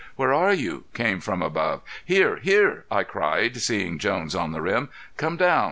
"Where are you?" came from above. "Here! Here!" I cried seeing Jones on the rim. "Come down.